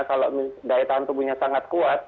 kalau daya tahan tubuhnya sangat kuat